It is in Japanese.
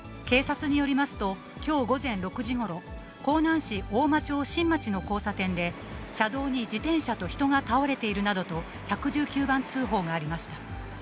警察によりますと、きょう午前６時ごろ、江南市大間町新町の交差点で、車道に自転車と人が倒れているなどと、１１９番通報がありました。